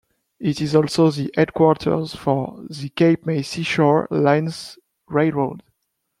It is also the headquarters for the Cape May Seashore Lines Railroad.